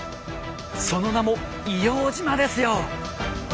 その名も硫黄島ですよ。